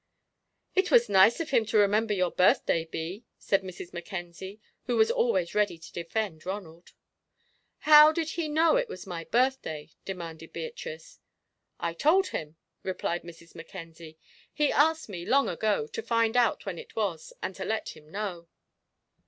"It was nice of him to remember your birthday, Bee," said Mrs. Mackenzie, who was always ready to defend Ronald. "How did he know it was my birthday?" demanded Beatrice. "I told him," replied Mrs. Mackenzie. "He asked me, long ago, to find out when it was and to let him know."